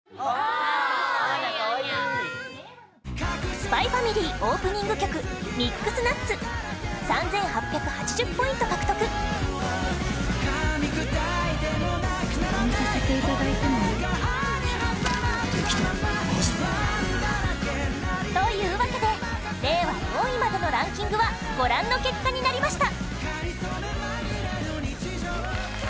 『ＳＰＹ×ＦＡＭＩＬＹ』オープニング曲『ミックスナッツ』３８８０ポイント獲得というわけで令和４位までのランキングはご覧の結果になりました